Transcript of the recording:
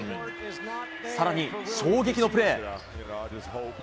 更に衝撃のプレー。